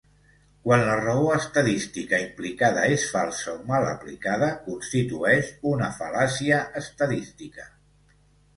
Quan la raó estadística implicada és falsa o mal aplicada constitueix una fal·làcia estadística.